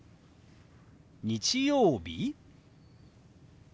「日曜日？」。